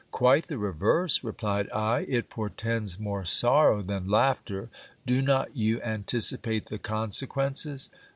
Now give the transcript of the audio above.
Quite the reverse, replied I. It portends more sorrow than laughter ; do not you anticipate the consequences